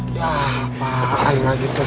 wah apaan lagi tuh